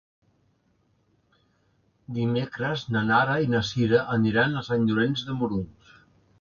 Dimecres na Nara i na Sira aniran a Sant Llorenç de Morunys.